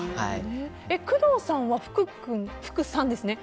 工藤さんは福君福さんですね。